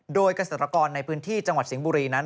โดยเกษตรกรในพื้นที่จังหวัดสิงห์บุรีนั้น